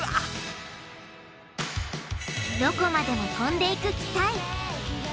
どこまでも飛んでいく機体。